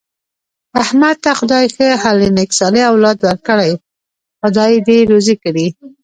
احمد ته خدای ښه حل نېک صالح اولاد ورکړی، خدای یې دې روزي کړي.